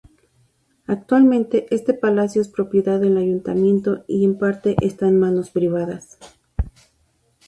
Actualmente este palacio es propiedad del ayuntamiento y en parte está en manos privadas.